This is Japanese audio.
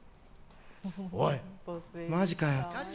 おい、マジかよ。